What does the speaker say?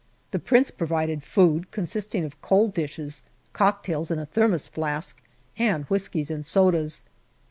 The Prince provided food, consisting of cold dishes, cocktails in a Thermos flask, and whiskies and sodas.